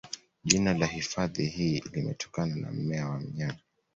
Jina la hifadhi hii limetokana na mmea wa mnyaa